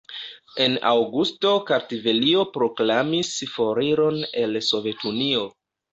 En aŭgusto Kartvelio proklamis foriron el Sovetunio.